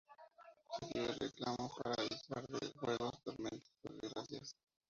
Sirvió de reclamo para avisar de fuegos, tormentas o desgracias.